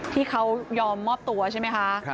ที่เขายอมมอบตัวใช่ไหมคะ